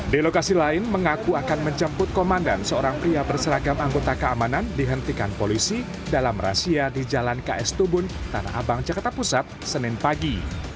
di lokasi lain mengaku akan menjemput komandan seorang pria berseragam anggota keamanan dihentikan polisi dalam razia di jalan ks tubun tanah abang jakarta pusat senin pagi